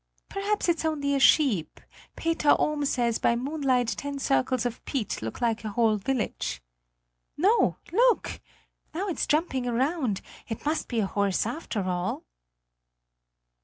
Perhaps it's only a sheep; Peter Ohm says by moonlight ten circles of peat look like a whole village. No, look! Now it's jumping around it must be a horse, after all!"